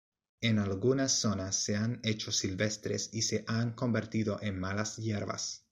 En algunas zonas se han hecho silvestres y se han convertido en malas hierbas.